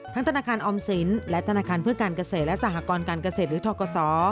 ธนาคารออมสินและธนาคารเพื่อการเกษตรและสหกรการเกษตรหรือทกศ